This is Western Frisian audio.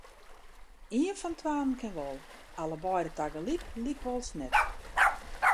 Ien fan twaen kin wol, allebeide tagelyk lykwols net.